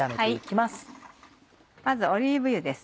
まずオリーブ油です。